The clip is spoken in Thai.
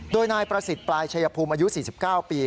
โดยนายประสิทธิ์ปลายชายภูมิอายุ๔๙ปี